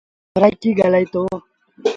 بزرگ سرآئيڪيٚ ڳآلآئيٚتو۔